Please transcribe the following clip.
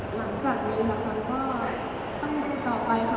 หลังจากมีละครก็ต้องติดต่อไปค่ะ